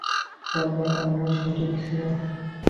তবে আমিও সঠিক ছিলাম।